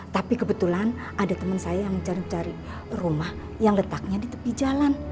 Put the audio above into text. tapi kebetulan ada teman saya yang cari cari rumah yang letaknya di tepi jalan